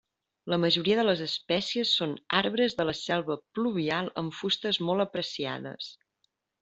La majoria de les espècies són arbres de la selva pluvial amb fustes molt apreciades.